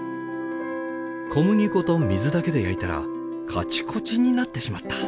小麦粉と水だけで焼いたらカチコチになってしまった。